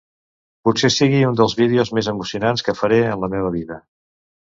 Potser sigui un dels vídeos més emocionants que faré en la meva vida.